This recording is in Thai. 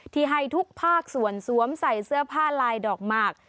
ที่ให้ทุกภาคส่วนสวมใส่เสื้อผ้าลายดอกหมาก